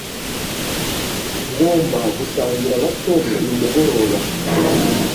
ngomba gusangira na tom uyu mugoroba